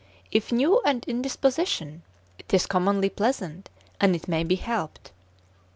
If new and in disposition, 'tis commonly pleasant, and it may be helped.